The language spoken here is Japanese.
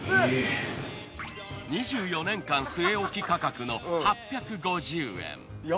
２４年間据え置き価格の８５０円。